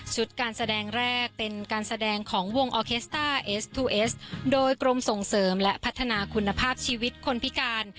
การแสดงแรกเป็นการแสดงของวงออเคสต้าเอสทูเอสโดยกรมส่งเสริมและพัฒนาคุณภาพชีวิตคนพิการ